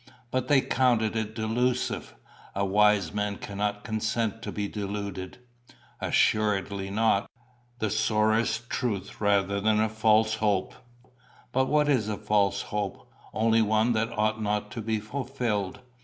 "But they counted it delusive. A wise man cannot consent to be deluded." "Assuredly not. The sorest truth rather than a false hope! But what is a false hope? Only one that ought not to be fulfilled.